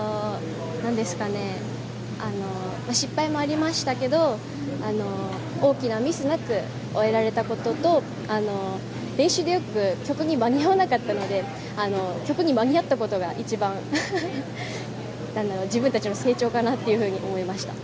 失敗もありましたけど大きなミスなく終えられたことと練習でよく曲に間に合わなかったので曲に間に合ったことが一番、自分たちの成長かなと思いました。